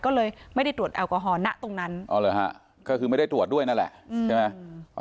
ก็เลยไม่ได้ตรวจแอลกอฮอลณตรงนั้นอ๋อเหรอฮะก็คือไม่ได้ตรวจด้วยนั่นแหละใช่ไหม